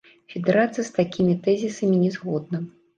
Федэрацыя з такімі тэзісамі не згодна.